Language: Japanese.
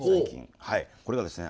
これがですね